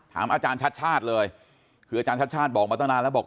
อาจารย์ชัดชาติเลยคืออาจารย์ชาติชาติบอกมาตั้งนานแล้วบอก